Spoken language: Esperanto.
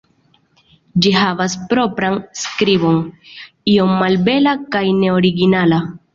Ĝi havas propran skribon, iom malbela kaj ne originala.